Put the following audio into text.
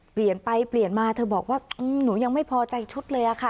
เปลี่ยนไปเปลี่ยนมาเธอบอกว่าหนูยังไม่พอใจชุดเลยอะค่ะ